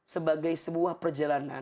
sebagai sebuah perjalanan